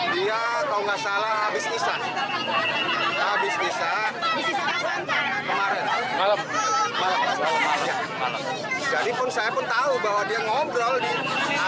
dia kalau nggak salah abis nisah abis nisah kemarin malam malam